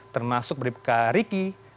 termasuk bribka riki